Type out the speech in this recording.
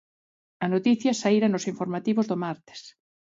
A noticia saíra nos informativos do martes.